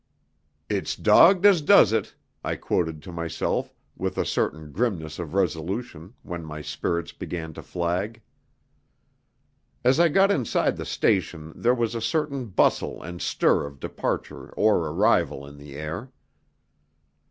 "It's dogged as does it," I quoted to myself, with a certain grimness of resolution, when my spirits began to flag. As I got inside the station there was a certain bustle and stir of departure or arrival in the air.